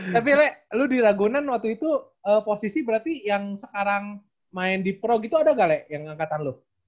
tapi le lo di ragunan waktu itu posisi berarti yang sekarang main di pro gitu ada gak lek yang angkatan lo